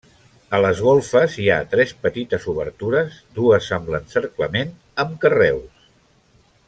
A les golfes hi ha tres petites obertures, dues amb l'encerclament amb carreus.